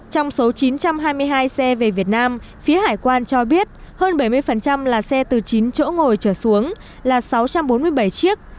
trong số chín trăm hai mươi hai xe về việt nam phía hải quan cho biết hơn bảy mươi là xe từ chín chỗ ngồi trở xuống là sáu trăm bốn mươi bảy chiếc